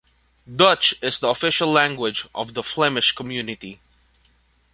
Dutch is the official language of the Flemish Community.